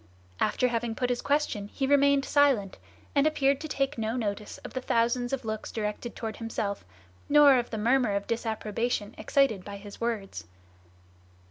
After having put his question he remained silent, and appeared to take no notice of the thousands of looks directed toward himself, nor of the murmur of disapprobation excited by his words.